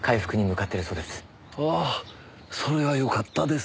ああそれはよかったです。